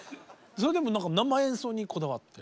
それでも生演奏にこだわって。